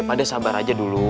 pak de sabar aja dulu